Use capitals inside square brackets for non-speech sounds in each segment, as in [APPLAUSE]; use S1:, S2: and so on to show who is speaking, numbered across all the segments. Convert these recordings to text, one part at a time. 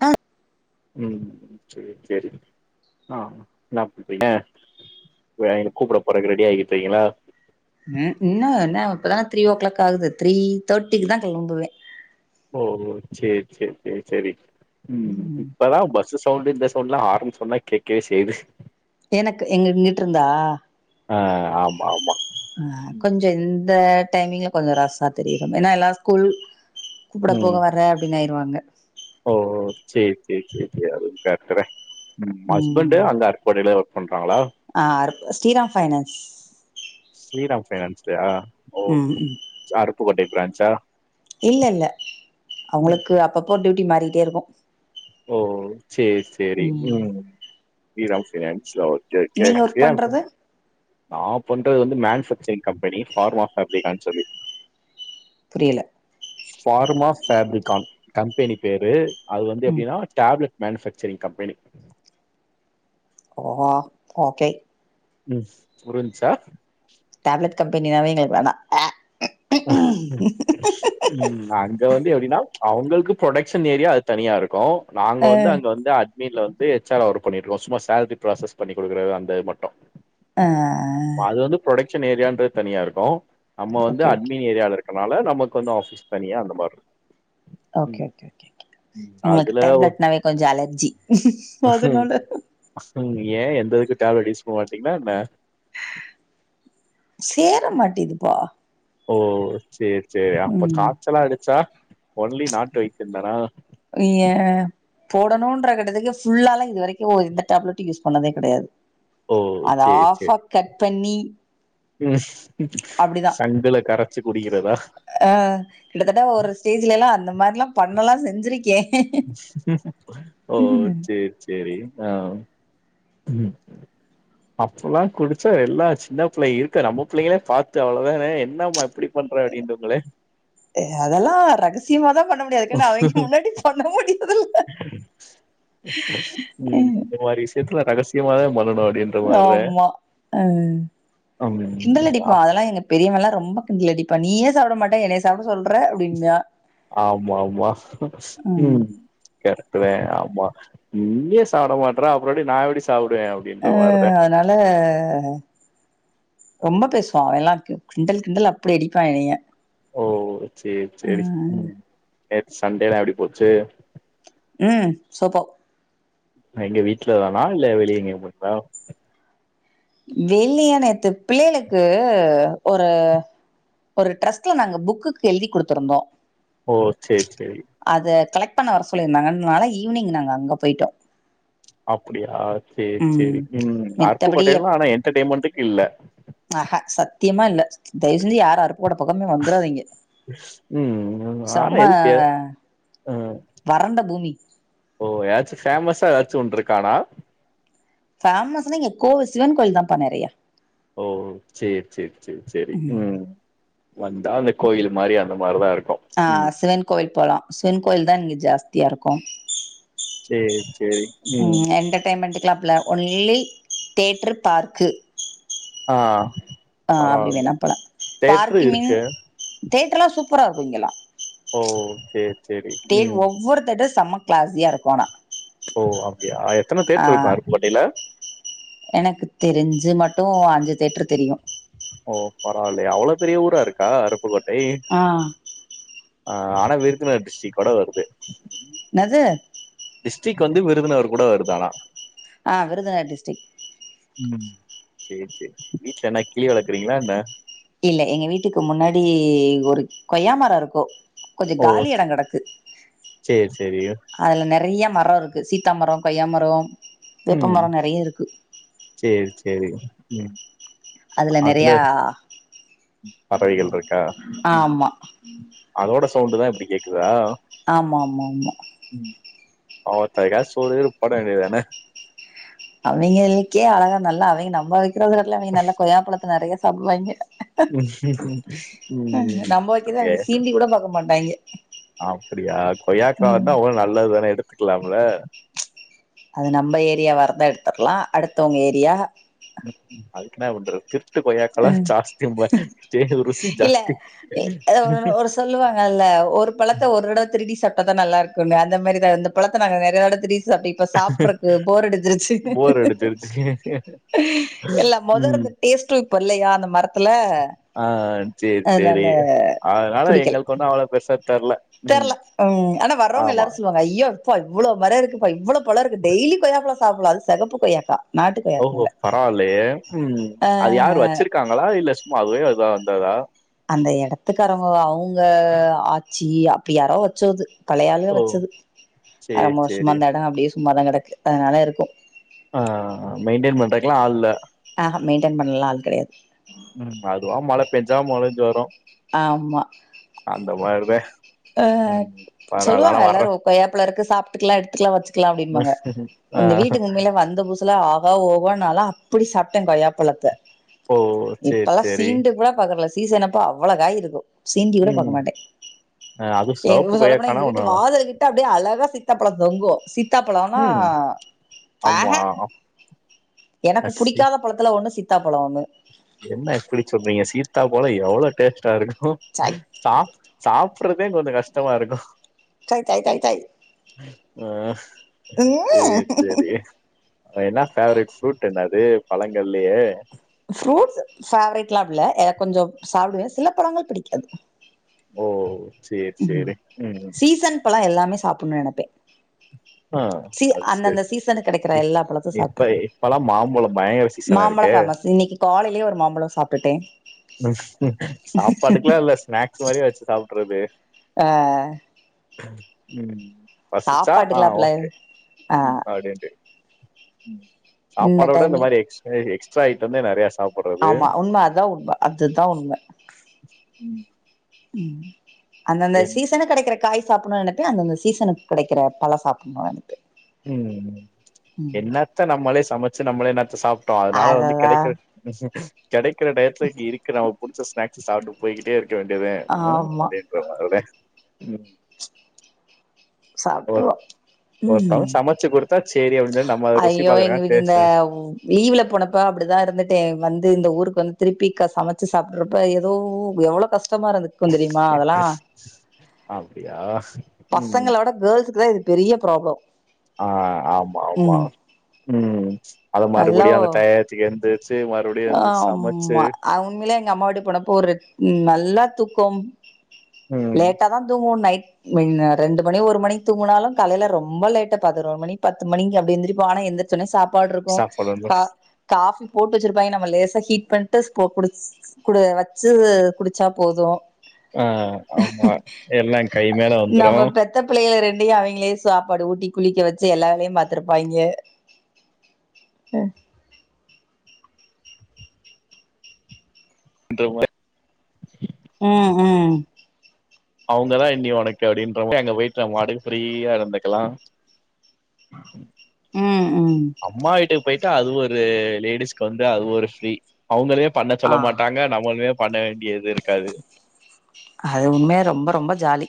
S1: அ
S2: ம் சரி சரி ஆ என்னா பன்ரீங்க ங்க கூப்பிட போறக்கு ரெடி ஆகிட்றிக்கிங்களா
S1: ம் இன்னு என்ன இப்பதான த்ரீ ஓ கிளாக் ஆகுது த்ரீ தேட்டிக்கு தா கிளம்புவே
S2: ஓ சேரி சேரி சேரி சேரி ம் இப்பதா பஸ் சவுண்டு இந்த சவுண்ட்லா ஆரம் சவுண்ட்லா கேக்கவே செய்யுது
S1: எனக்கு எங்க இங்கிட்டு இருந்தா
S2: ஆ ஆமா ஆமா
S1: அ கொஞ்ச இந்த டைமிங்ல கொஞ்ச ரஸ்சா தெரியிற மாரி ஏனா எல்லா ஸ்கூல் கூப்பிட போக
S2: ம்
S1: வரன் அப்டின் ஆயிருவாங்க
S2: ஓ செரி செரி செரி செரி அது கரட்டுதா ம் ஹஸ்பண்டு அங்க அரு ப்புகோட்டைல ஒர்க் பண்றாங்களா
S1: ஆ அருப் ஸ்ரீராம் ஃபைனான்ஸ்
S2: ஸ்ரீராம் ஃபைனான்ஸ்லயா ஓ
S1: ம் ம்
S2: அருப்புக்கோட்டை பிரான்ச்சா
S1: இல்ல இல்ல அவங்களுக்கு அப்பப்போ டியூட்டி மாறிட்டே இருக்கு
S2: ஓ சரி சரி ம் ஸ்ரீராம் பைனான்ஸ் ஓ ஜக் ச
S1: நீங்க ஒர்க் பண்றது
S2: [UNINTELLIGIBLE] நா பண்றது வந்து மேனுபேக்சரிங் கம்பெனி ஃபார்மா ஃபேஃப்ரிகான் சொல்லி
S1: புரியல
S2: ஃபார்மா ஃபேப்ரிகான் கம்பெனி பேரு அது வந்து
S1: ம்
S2: எப்டின்னா டேப்லெட் மேனுஃபேக்சரிங் கம்பெனி
S1: ஆ ஓகே
S2: ம் புரிஞ்சா
S1: டேப்லட் கம்பெனினாவே எங்களுக்கு வேணாம் அ
S2: [UNINTELLIGIBLE] ம் அங்க வந்து எப்டினா அவங்களுக்கு ப்ரொடக்ஷன் ஏரியா அது தனியா இருக்கு நாங்க வந்து அங்க வந்து அட் வீட்ல வந்து ஹெச் ஆரா ஒர்க் பண்ணிட்ருக்கோ சும்மா சேலரி ப்ராசஸ் பண்ணி கொடுக்குறது அந்த மட்டு
S1: ஆ
S2: அது வந்து ப்ரொடக்ஷன் ஏரியான்ற தனியா இருக்கு நம்ம வந்து
S1: ஓகே ஓகே
S2: அட்மீன் ஏரியால இருக்க கனால நமக்கு வந்து ஆஃபிஸ் தனியா அந்த மாரி இருக்கு
S1: ஓகே ஓகே ஓகே ஓகே எங்களுக்கு
S2: அதுல
S1: டேப்லெட்னாவே கொஞ்ச அலர்ஜி அதனால
S2: ஏ எந்த இதுக்கு டேப்லெட் யூஸ் பண்ண மாட்டீங்களா என்ன
S1: சேர மாடிக்குதுபா
S2: ஓ சேரி சேரி அப்ப
S1: ம்
S2: காய்ச்சலா அடிச்சா ஒன்லி நாட்டு வைத்தியந்தானா
S1: ஏ போடணும்ன்ற கிட்டத்துக்கு ஃபுல்லாலா இது வரைக்கு எந்த டேப்லெட்டு யூஸ் பண்ணதே கெடையாது
S2: ஓ
S1: அத ஆஃபா கட் பண்ணி
S2: உம்
S1: அப்டிதா
S2: சங்குல கரைச்சு குடிக்கிறதா.
S1: ஆ கிட்டத்தட்ட ஒரு ஸ்டேஜ்லா அந்த மாதிரில்லாம் பண்ணலா செஞ்சிருக்கே
S2: ஓ சேரி சேரி ஆ அப்பல்லா குடிச்சா எல்லா சின்ன பிள்ளை இருக்க நம்ம பிள்ளைங்களே பாத்தா அவ்வளவுதான என்னம்மா இப்படி பன்ற அப்படின்னுகலே
S1: [UNINTELLIGIBLE] அதெல்லா ரகசியமாதா பண்ண முடியாதுக்குன்னா அவங்க முன்னாடி பண்ண முடியாதுல்ல
S2: உம் வீட்டுல ரகசியமாதா பண்ணணு அப்படின்னு
S1: ஆமா உம் கிண்டல்
S2: ம்
S1: அடிப்பா
S2: அப்-
S1: அதெல்லா எங்க பெரியவெல்லா ரொம்ப கிண்டலடிப்பா நீயே சாப்பிட மாட்டே என்னைய சாப்பிட சொல்ற அப்படின்கா
S2: ஆமா ஆமா உம். கரெக்ட் தா ஆமா நீயே சாப்பிட மாட்டற அப்புறம் எப்படி நா எப்படி சாப்பிடுவே
S1: அ அதனால ரொம்ப பேசுவா அவன் எல்லாம் கிண்டல் கிண்டல் அப்படி அடிப்பான் என்னைய
S2: ஓ சேரி
S1: அ
S2: சே நேத்து சண்டேல்லாம் எப்படி போச்சு
S1: ம் சூப்பர்
S2: எங்க வீட்டுல தானா இல்ல வெளிய எங்க போனீகளா
S1: வெள்ளியானேத்து பிள்ளைகளுக்கு ஒரு ஒரு ட்ரஸ்ட்ல நாங்க புக்குக்கு எழுதி கொடுத்திருந்தோம்.
S2: ஓ சேரி சேரி
S1: அது கலெக்ட் பண்ண வர சொல்லியிருந்தாங்கனால ஈவினிங் நாங்க அங்க போயிட்டோ
S2: அப்படியா சேரி
S1: ம்
S2: சேரி உம்
S1: மித்தபடி
S2: அருக்கபுக்கொட்டேன்னா ஆனா என்டர்டயன்மெண்ட்டுக்கு இல்ல
S1: ஆ அ சத்தியமா இல்ல தயவு செஞ்சு யாரு அருப்பு கோட்டா பக்கமே வந்துடாதிங்க செம்ம
S2: உம்
S1: வறண்ட பூமி
S2: ஓ ஏதாச்சும் ஃபேமஸா ஏதாச்சு ஒன்னு இருக்கானா
S1: பேஃமஸ்ன்னா இங்க கோவில் சிவன் கோயில் தான்ப்பா நிறையா
S2: ஓ சேரி சேரி சேரி சேரி
S1: ம்
S2: உம் வந்தா அந்த கோயில் மாதிரி அந்த மாதிரிதா இருக்கும்.
S1: ஆ சிவன் கோவில் போலா சிவன் கோயில தா இங்க ஜாஸ்தியா இருக்கும்.
S2: சேரி சேரி ம்
S1: உம் என்டர்டெயன்மென்டுக்கு கிலா அப்படிலா ஒன்லி தேட்டர் பார்க்கு.
S2: ஆ
S1: ஆ அப்படி
S2: பரவால்ல
S1: வேணாப் போல
S2: தேட்ரு
S1: பார்க்கிமின்
S2: இருக்கு
S1: தேட்டர்லா சூப்பரா இருக்கு இங்கெல்லா
S2: ஓ சேர் சேரி
S1: டேட்
S2: ம்
S1: ஒவ்வொரு தியேடர் செம்ம கிளாஸியா இருக்கும் ஆனா
S2: ஓ அப்டியா எத்தன
S1: ஆ
S2: தேட்டர் இருக்கு அருப்பு கோட்டையில
S1: எனக்கு தெரிஞ்சு மட்டு அஞ்சு தேட்டர் தெரியு
S2: ஓ பரவாயில்லைய அவ்வளோ பெரிய ஊரா இருக்கா அருப்புக்கோட்டை
S1: ஆ
S2: அ ஆனா விருதுநர் டிஸ்டிக்கோட வருது
S1: என்னது
S2: டிஸ்ட்ரிக் வந்து விருதுநகர் கூட இருக்கலா
S1: அஹ விருதுநகர் டிஸ்டிக்
S2: ம் சேரி சேரி வீட்ல என்ன கிளி வளக்றீங்களா என்ன
S1: இல்ல எங்க வீட்டுக்கு முன்னாடி ஒரு கொய்யாமரோ இருக்கு கொஞ்சோ
S2: ஓ
S1: காலி எடோ கெடக்கு
S2: சேரி சேரி
S1: அதுல நெறைய மரோ இருக்கு சீத்தா மரோ கொய்யாமரோ வேப்பமரோ நெறைய இருக்கு
S2: சேர் சேரி மா ம்
S1: அதுல நெறையா
S2: பறவைகள்
S1: ம்
S2: இருக்கா ம்
S1: ஆமா
S2: அதோட சவுண்ட்தா இப்டி கேக்குதா
S1: ஆமா ஆமா ஆமா
S2: ம் [UNINTELLIGIBLE] கா சோறு குறு போட் வேண்டியதானே
S1: அவேங்களுக்கே அழகா நல்ல அவேங்க நம்ப வைக்கிறது இடல அவங்க நல்ல கொய்யாப்பழத்த நெறைய சாப்பிடுவாங்க ஹ
S2: ம்
S1: நம்ப வக்கிரத
S2: ஏ
S1: அவிங்க சீன்டி கூட பாக்க மாட்டாக
S2: அப்டியா கொய்யாக்கனா அவ்ளவு நல்லதுதானே எடுத்துக்கலாம்ல
S1: அது நம்ப ஏரியாவா இருந்தா எடுத்தற்லா அடுத்தவங்க ஏரியா
S2: ம் அதுக் என்னா பண்றது திருட்டு கொய்யாக்கல ஜாஸ்தி பா ருசி
S1: இல்ல
S2: ஜாஸ்தி
S1: ஒரு சொல்லுவாங்கல்ல ஒரு பழத்த ஒரு தடவ திருடி சாப்டா தா நல்லா இருக்குனு அந்த மாரி இந்த பழத்த நாங்க நெறையதடவ திருடி அப்டி இப்ப சாப்பிறதுக்கு போர் அடுச்சிருச்சு
S2: போர் அடிச்சிருச்சு
S1: எல்லா
S2: ம்
S1: முதர்ந்து டேஸ்டு இப்ப இல்லா அந்த மரத் த்ல
S2: ஆ சேரி
S1: அதனால புடிக்கல
S2: அவ்வளவு பெர்சா தெர்ல ம்
S1: தெர்ல ம் ஆனா வர்ரோவங்க
S2: ஆமா
S1: எல்லாரு சொல்லுவாங்க ஐயோ இப்ப இவ்ளோ மரோ இருக்குப்ப இவ்வளோ பழ இருக்கு பா டெய்லி கொய்யாபழோ சாப்புலா அது செகப்பு கொய்யாகா
S2: ஓ பரவாலயே ம் அது யாரு
S1: அஹ்
S2: வச்சிருக்காங்களா இல்ல சும்மா அதுவே அதுதான வந்ததா
S1: அந்த எடத்துக்காரவுங்க அவுங்க ஆச்சி அப்டி யாரோ வச்சோது பழைய ஆளுலுங்க
S2: ஓ
S1: வச்சது
S2: சேரி
S1: ரொம்ப வருசமா
S2: சேரி
S1: அந்த எடோ அப்படியே சும்மாதா கெடக்கு அதனால இருக்கு
S2: ஆஹ் மெயின்டென் பண்றதுக்கல்லா ஆல் இல்ல
S1: ஆஹ மெயின்டென் பண்ணலா ஆள் கெடையாது
S2: ம் அதுவா மழ பெஞ்சா மொழஞ்சு வரு
S1: ஆமா
S2: அந்த மாரித
S1: ஆஹ் சொல்லுவாங்க எல்லாரு கொய்யாபழோ இருக்கு சாப்பிட்டுக்கலா எடுத்துக்கலா வச்சுக்கலா அப்படிம்பாங்க
S2: ஆ
S1: இந்த வீட்டுக்கு உம்மையில வந்த பூதுசுல ஆகா ஓகோனு நாள அப்டி சாப்டேன் கொய்யாப்பழத்த
S2: ஓ சேரி
S1: இப்பலா
S2: சேரி
S1: சீன்டி கூட பாக்ரதுல்ல சீசன் அப்ப அவ்வளகாயி இருக்கு சீண்டி கூட
S2: ம்
S1: பாக்க மாட்டே
S2: அ அது
S1: எ
S2: சிவப்பு
S1: இப்ப சொல்ல போனா
S2: கொய்யாக்கானா
S1: எங்க வீட்டு
S2: ஒன்னு
S1: வாதல்ட கிட்டு அப்படியே அழகா சீத்தப்பழோ தொங்கு சித் சீத்தாபலோனா
S2: ம்
S1: அஹ
S2: ஆமா
S1: எனக்கு
S2: சி
S1: புடிக்காத பழத்துல ஒன்னு சீத்தாப்பழோ ஒண்ணு
S2: என்ன இப்டி சொல்றீங்க சீத்தா பழோ எவ்ளோ டேஸ்டா இருக்கு
S1: சை
S2: சா சாப்பறதே கொஞ்சோ கஷ்டமா இருக்கு
S1: தாய் தாய் தாய் தாய்
S2: ஆ சேரி
S1: ம்
S2: சேரி என்ன பேஃவரட் ஃப்ரூட் என்னது பழங்கள்லயே
S1: ஃப்ரூட்ஸ் ஃபவரட்லா அப்படிலா இல்ல கொஞ்சோ சாப்பிடுவே சில படங்கள் பிடிக்காது
S2: ஓ சேரி
S1: ம்
S2: சேரி ம்
S1: சீசன் பழொ எல்லாமே சாப்பிட்னு நெனப்பே
S2: ஆ
S1: சி
S2: அது
S1: அந்தந்த
S2: சரி
S1: சீசன்ல கெடைக்கிற
S2: இ-
S1: எல்லா பழத்தயு
S2: இப்ப
S1: சாப்ட்றனு
S2: இப்பல்லா மாம்பழோ பயங்கர சீசனா
S1: மாம்பழொ
S2: இருக்கே
S1: ஃபேமஸ் இன்னைக்கி காலைலயே ஒரு மாம்பழொ சாப்டுட்டே
S2: சாப்பாடுக்லா இல்ல ஸ்நாக்ஸ் மாரியே வெச்சு சாப்டுறது
S1: ஆ
S2: அ ம் பசிச்சா ஆ
S1: சாப்பாடுக்லா அத்
S2: ஓகே ம் அப்டின்ட்டு ம் சாப்பாட விட இந்த மாதிரி எக்ஸ் எக்ஸ்ட்ரா ஐட்டம்தா நறையா சா
S1: ஆமா உண்ம அதா உண்ம அதுதா உண்ம
S2: ம்
S1: ம் அந்தந்த
S2: என்
S1: சீசனுக் கிடைக்கற காய் சாப்புணு எனக்கு அந்தந்த சீசனுக் கிடைக்கற பழொ சாப்புணு எனக்கு
S2: ம் ம் என்னத்த நம்மளே சமைச்சு நம்மளே என்னத்த சாப்டோ அதனால வந்து
S1: அததா
S2: கெடைக்க உ கெடைக்கிற டயத்துல இருக்கு நமக் புடிச்ச ஸ்நாக் ஸ் சாப்ட்டு போய்கிட்டே இருக்க வேண்டியதே உ
S1: ஆமா
S2: அப்டின்ற மாரிதே ம் ஒர்
S1: சாப்ட்ருவோ
S2: ஒருத்தவங்க
S1: ம்
S2: சமைச்சு குடுத்தா சேரி அப்டின் சொல்லி நம்ம அத ருசி
S1: ஐயோ
S2: பாக்குறக்காக
S1: எங்களுக்கு இந்த
S2: டேஸ்ட்டு
S1: உ லீவ்ல போனப்ப அப்டிதா இருந்துட்டே வந்து இந்த ஊருக்கு வந்து திருப்பிக்க சமைச்சு சாப்பிடுறப்ப எதோ எவ்வளோ கஷ்டமா இருந்தது
S2: அப்டியா ம்
S1: பசங்கள விட கேர்ள்ஸ்க்குதா இது பெரிய ப்ராப்ளொ
S2: ஆ ஆமா ஆமா ம் அத மறுபடியு அந்த டயத்துக்கு எந்திருச்சு ம
S1: ஆ உம்மா அவங்களு எங் எ அம்மாவீட்டுக் போனப்போ ஒரு நல்லா தூக்கொம்
S2: ம்
S1: லேட்டாதா தூங்குவோ நைட் நீங்க ரெண்டு மணி ஒரு மணிக் தூங்கினாலும் காலைல ரொம்ப லேட்டா பதினோரு மணி பத்து மணிக் அப்டி எந்திரிப்போ ஆனா எந்திரிச் சொன சாப்பாடு இருக்கு
S2: சாப்புடணு
S1: கா காஃபி போட்டு வெச்சிரு போயி நம்ம லேசா ஹீட் பண்ட்டு ஸ்கு குடி ஸ் ஸ் குடி வச்சு குடிச்சா போது
S2: அ ஆமா எல்லா கை மேல வந்துரு
S1: த்த பிள்ளைகல ரெண்டயு அவெங்களே சாப்பாடு ஊட்டி குளிக்க வெச்சு எல்லா வேலயு பாத்திருப்பாய்ங்க ம்
S2: தோ வர
S1: அ அ
S2: அவங்கதா இனி ஒனக்கு அப்டின்றப்ப அங்க போயிட்டு நம்ம பாட்டுக்கு ஃப்ரீயா இருந்துக்லா
S1: ம் ம்
S2: அம்மா வீட்டுக் போய்ட்டா அது ஒரு லேடிஸ்க்கு வந்து அது ஒரு ஃப்ரீ அவங்களயே பண்ண
S1: ஆ
S2: சொல்ல மாட்டாங்க நம்மளுமே பண்ண வேண்டியது இருக்காது
S1: அது உண்மயா ரொம்ப ரொம்ப ஜாலி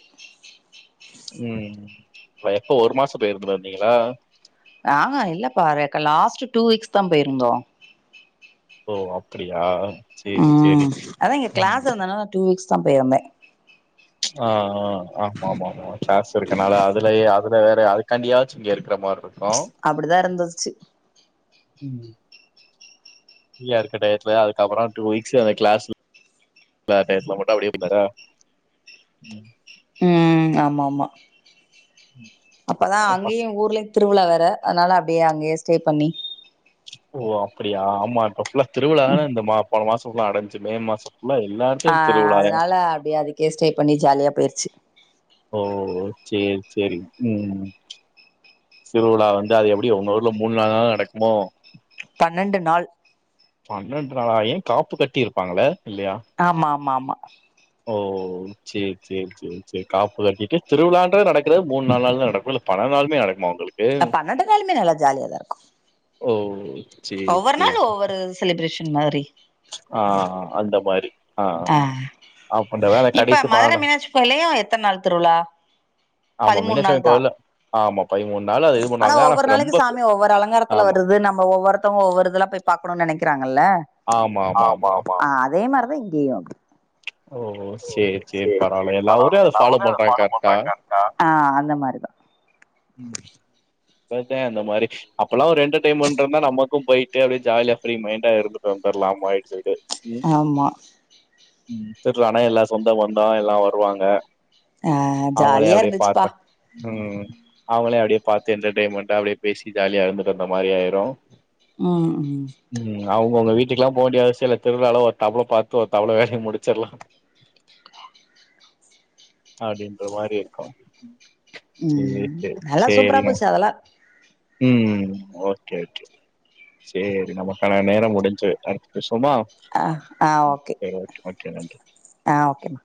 S2: ம் ம் ம் அ எப்ப ஒரு மாசொ விட்டு ஒருமுற வந்தீங்களா
S1: ஆ ஹா இல்லப்பா ரேக்கலாஸ்ட் டூ வீக்ஸ்தா போயிருந்தோ
S2: ஓ அப்பிடியா
S1: ம் ம் அதா இங்க கிளாஸ் இருந்தனால டூ வீக்ஸ்தா போயிருந்தே
S2: ஆ ஆ ஆமா ஆமா மா க்ளாஸ் இருக்கனால அதுலயே அதுல வேற அதுக்கண்டியாச்சு இங்க இருக்கிற மாரி இரு
S1: அப்டிதா இருந்தருச்சு
S2: ம் ஃப்ரீயா இருக்க டயத்துல அதுக்கப்பறொ டூ வீக்ஸ் அந்த கிளாஸ் [UNINTELLIGIBLE] டயத்துல மட்டு அப்டியே [UNINTELLIGIBLE] ம்
S1: ம் ஆமா ஆமா
S2: ம்
S1: அப்பதா
S2: ஓ பஸ்
S1: அங்கெயு ஊர்லயு திருவுழா வேற அதுனால அப்டியே அங்கெயே ஸ்டே பண்ணி
S2: ஓ அப்புடியா ஆமா இப்ப ஃபுல்லா திருவுழாதான இந்த மா போன மாசபுல்லா நடஞ்ச்சு மே மாசொ
S1: அ அதுனால அப்டியே அதுக்கே ஸ்டே பண்ணி ஜாலியா போயிருச்சு
S2: ஓ சேரி சேரி ம் திருவுழா வந்து அது எப்டியு உங்க ஊர்ல மூனு நாலு நாள் நடக்குமோ
S1: பன்னெண்டு நாள்
S2: பன்னெண்டு நாளா ஏ காப்பு கட்டிருப்பாங்கள இல்லையா
S1: ஆமா ஆமா ஆமா
S2: ஓ சேரி சேரி சேரி சேரி காப்பு கட்டிட்டு திருவிழான்றது நடக்றது மூன் நால் நாள்ல நடக்கு இல்ல பன்னெண் நாளுமே நடக் மா ஒங்களுக்கு
S1: அ பன்னெண்டு நாலுமே நல்லா ஜாலியா தா இருக்கு
S2: ஓ சேரி
S1: ஒவ்வொரு
S2: சேரி
S1: நாள் ஒவ்வொரு செலிப்ரேஷன் மாரி
S2: ஆ அந்த மாரி ஆ
S1: அ
S2: அப்ப இந்த வேல
S1: இப்ப
S2: கடைசி
S1: மதுர
S2: பன்னெண்டு
S1: மீனாட்சி கோயில்லயு எத்தன் நாள் திருவுழா
S2: ஆமா
S1: பதிமூன் நாள்
S2: மீனாட்சியம்மன்
S1: தா
S2: கோயில்ல ஆமா நாள் அது இது
S1: ஆனா
S2: பண்ணுவாங்க.
S1: ஒவ்வொரு நாளக்கி
S2: ரொம்ப
S1: சாமி ஒவ்வொரு அலங்கார த்துல
S2: ஆமா.
S1: வருது நம்ப ஒவ்வொருத்தவுங்க ஒவ்வொரு இதல்லா போய் பாக்கணு நெனக்கிறாங்கல்ல ஆமா ஆமா அ அதே மாரி தா இங்கெயு
S2: ஓ!
S1: ஓ
S2: சரி, சரி
S1: சேரி சேரி
S2: பரவால்ல. எல்லா ஊர்லயும்
S1: பரவாலங்க நா ஒன்னே அத
S2: பண்றாங்க
S1: ஃபாலோ
S2: கரெக்ட்டா.
S1: பண்றேங்க்கா ஆ அந்த மாரிதா
S2: ம் ஒரு டைம் அந்த மாரி அப்பல்லா ஒரு எண்டெர் டெய்ண்மென்ட் இருந்தா நமக்கு போயிட்டு அப்டியே ஜாலியா ஃப்ரீ மைண்டா இருந்துட்டு வந்தர்லாமாய்ன் சொல்ட்டு
S1: ஆமா
S2: ம் திர்வுழானா எல்லா சொந்த பந்தா எல்லா வருவாங்க
S1: அ
S2: அவுங்களயு
S1: ஜாலியா
S2: அப்டியே பாத்த
S1: இருந்துச்சுப்பா
S2: ம் அவுங்களயு அப்டியே பாத்து என்டர்டெய்ன்மெண்ட்டா அப்டியே பேசி ஜாலியா இருந்துட்டு வந்த மாரியு ஆயிரு
S1: ம் ம்
S2: ம் அவுங்க உங்க வீட்டுக்குல்லா போ வேண்டிய அவசியொ இல்ல திருவுழாள ஒரு தவுள பாத்து ஒரு தவுள வேலைய முடுச்சர்லா
S1: [INAUDIBLE]
S2: அப்டின்ற மாரி இருக்கு சேரி சேரி சேரிங்க
S1: அதலா
S2: ம் ஓகே ஓகே சேரி நமக்கான நேரம் முடுஞ்சு விட்டது பேசோமா
S1: ஆ ஆ
S2: ம் சேரி ஓகே ஓகே நன்றி
S1: ஆ ஓகேம்மா